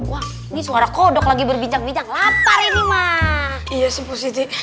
wah ini suara kodok lagi berbincang bincang lapar ini pak iya sih pak setan